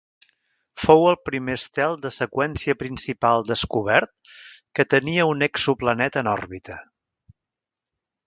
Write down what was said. Fou el primer estel de seqüència principal descobert que tenia un exoplaneta en òrbita.